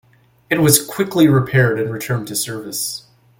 It was quickly repaired and returned to service.